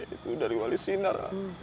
itu dari wali sinar